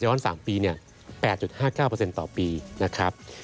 ย้อน๓ปี๘๕๙ต่อปีนะครับ